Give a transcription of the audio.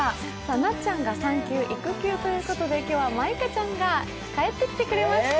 なっちゃんが産休・育休ということで、今日は舞香ちゃんが帰ってきてくれました。